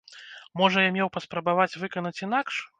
Можа, я меў паспрабаваць выканаць інакш?